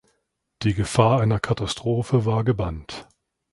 Die Gefahr einer Katastrophe war gebannt.